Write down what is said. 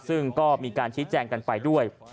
ซึ่งก็มีการชี้แจงกันไปด้วย